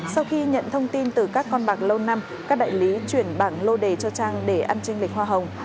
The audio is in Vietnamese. sau khi nhận thông tin từ các con bạc lâu năm các đại lý chuyển bảng lô đề cho trang để ăn tranh lịch hoa hồng